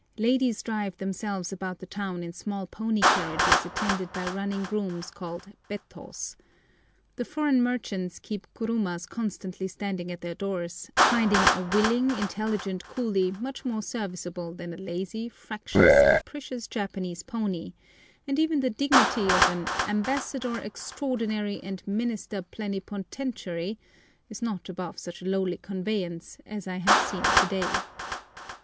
Ladies drive themselves about the town in small pony carriages attended by running grooms called bettos. The foreign merchants keep kurumas constantly standing at their doors, finding a willing, intelligent coolie much more serviceable than a lazy, fractious, capricious Japanese pony, and even the dignity of an "Ambassador Extraordinary and Minister Plenipotentiary" is not above such a lowly conveyance, as I have seen to day.